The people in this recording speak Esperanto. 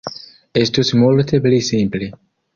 Estus multe pli simple.